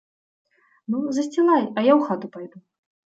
Ну, засцілай, а я ў хату пайду.